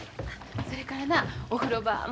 それからなお風呂場